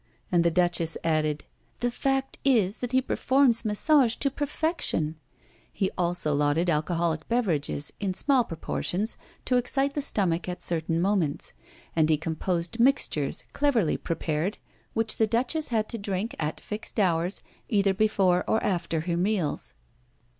And the Duchess added: "The fact is that he performs massage to perfection." He also lauded alcoholic beverages, in small proportions to excite the stomach at certain moments; and he composed mixtures, cleverly prepared, which the Duchess had to drink, at fixed hours, either before or after her meals.